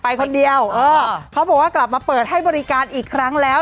คนเดียวเออเขาบอกว่ากลับมาเปิดให้บริการอีกครั้งแล้ว